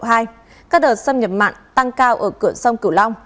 các đợt xâm nhập mặn tăng cao ở cửa sông cửu long